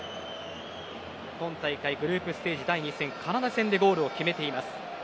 今大会グループステージ第２戦カナダ戦でゴールを決めています。